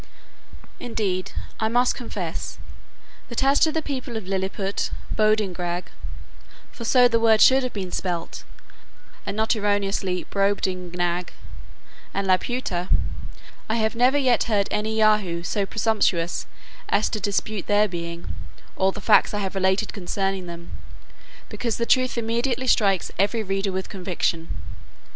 Indeed I must confess, that as to the people of Lilliput, Brobdingrag (for so the word should have been spelt, and not erroneously Brobdingnag), and Laputa, I have never yet heard of any Yahoo so presumptuous as to dispute their being, or the facts I have related concerning them; because the truth immediately strikes every reader with conviction.